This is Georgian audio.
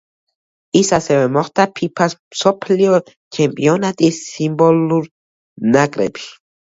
ის ასევე მოხვდა ფიფა-ს მსოფლიო ჩემპიონატის სიმბოლურ ნაკრებში.